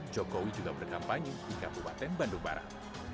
jokowi juga berkampanye di kabupaten bandung barat